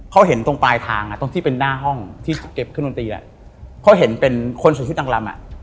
เขาเห็นตรงปลายทางตรงที่เป็นหน้าห้องที่เก็บขึ้นบนตีแล้วเขาเห็นเป็นคนสวยชุดอังรัม